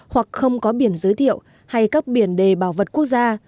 hoặc không có biển giới thiệu hay các biển đề bảo vật quốc gia